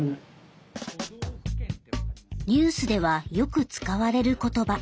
ニュースではよく使われる言葉。